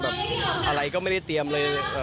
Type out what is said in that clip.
อะไรก็ไม่ได้เตรียมเลย